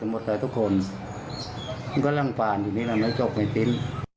มันก็ร่างฟ่านอย่างนี้แล้วมันได้จบในติ๊ม